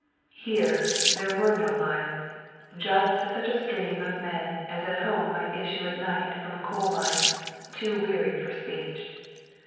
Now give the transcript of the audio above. Here there were no lines. Just such a stream of men as at home might issue at night from a coal mine, too weary for speech.